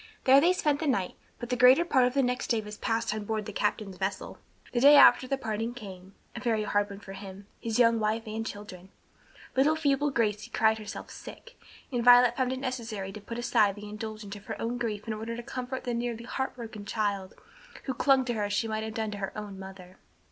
There they spent the night, but the greater part of the next day was passed on board the captain's vessel. The day after the parting came; a very hard one for him, his young wife and children. Little feeble Gracie cried herself sick, and Violet found it necessary to put aside the indulgence of her own grief in order to comfort the nearly heart broken child, who clung to her as she might have done to her own mother.